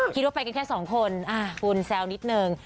คิดว่าไปกันแค่สองคนคุณแซวนิดนึง